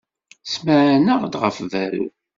Smeɛneɣ-d ɣef berru.